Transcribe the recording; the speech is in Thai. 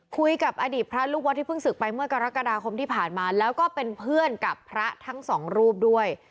คุยกับอดีตพระลูกวัดที่เพิ่งศึกไปเมื่อกรกฎาคมที่ผ่านมาแล้วก็เป็นเพื่อนกับพระทั้งสองรูปด้วย